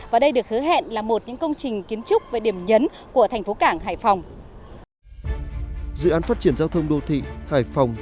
và đây được hứa hẹn là một công trình kiến trúc về điểm nhấn của thành phố cảng hải phòng